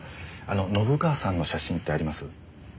信川さんの写真ってあります？